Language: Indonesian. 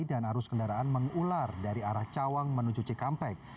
dan arus kendaraan mengular dari arah cawang menuju cikampek